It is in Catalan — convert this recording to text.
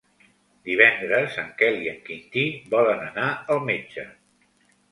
Divendres en Quel i en Quintí volen anar al metge.